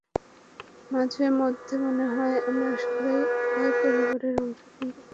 মাঝে মধ্যে মনে হয় আমি আসলেই আই পরিবারের অংশ, কিন্ত পুরোপুরি না।